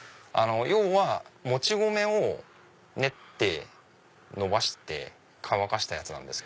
要はもち米を練ってのばして乾かしたやつなんです。